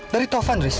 dari tovan riz